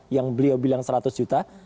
yang beliau bilang seratus juta